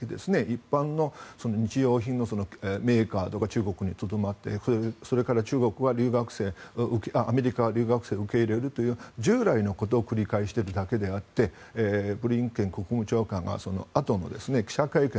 一般の日用品のメーカーとかが中国にとどまってそれからアメリカは留学生を受け入れるという従来のことを繰り返しているだけであってブリンケン国務長官はそのあとの記者会見